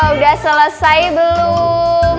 udah selesai belum